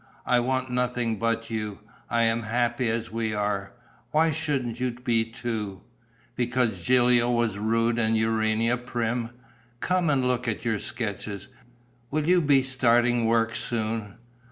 I want nothing but you. I am happy as we are. Why shouldn't you be too? Because Gilio was rude and Urania prim?... Come and look at your sketches: will you be starting work soon?